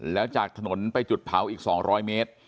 แล้วจากถนนไปจุดเผาอีก๒๐๐เมตร